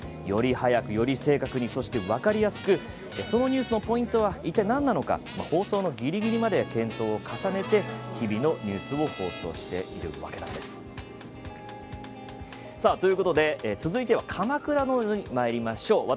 より早く、より正確にそして分かりやすくそのニュースのポイントは一体、なんなのか放送のぎりぎりまで検討を重ねて日々のニュースを放送しているわけなんです。ということで続いては鎌倉にまいりましょう。